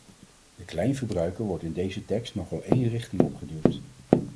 De kleinverbruiker wordt in deze tekst nogal één richting op geduwd.